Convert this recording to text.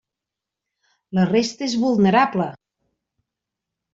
La resta és vulnerable!